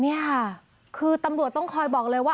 นี่ค่ะคือตำรวจต้องคอยบอกเลยว่า